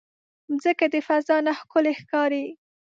مځکه د فضا نه ښکلی ښکاري.